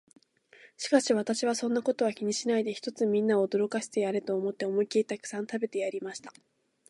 しかし私は、そんなことは気にしないで、ひとつみんなを驚かしてやれと思って、思いきりたくさん食べてやりました。